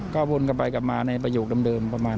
ก็วนกลับไปกลับมาในประโยคเดิมประมาณ